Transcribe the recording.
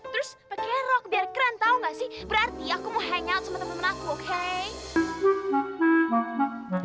terus pake rok biar keren tau gak sih berarti aku mau hangout sama temen aku oke